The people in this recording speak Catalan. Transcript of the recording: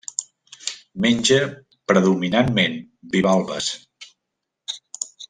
Menja predominantment bivalves.